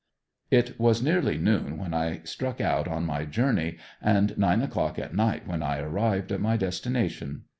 It was nearly noon when I struck out on my journey and nine o'clock at night when I arrived at my destination.